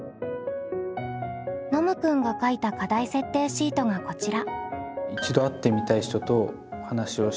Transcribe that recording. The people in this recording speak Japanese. ノムくんが書いた課題設定シートがこちら。